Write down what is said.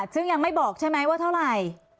ซึ่งยังไม่บอกใช่ไหมว่าเท่าไหร่